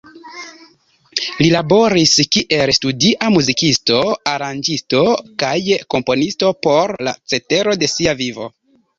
Li laboris kiel studia muzikisto, aranĝisto, kaj komponisto por la cetero de sia vivo.